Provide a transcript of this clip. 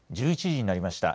１１時になりました。